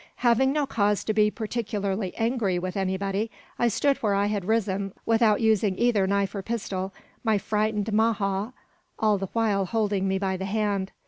Having no cause to be particularly angry with anybody, I stood where I had risen, without using either knife or pistol, my frightened maja all the while holding me by the hand.